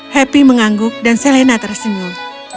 happy mengangguk dan selena tersenyum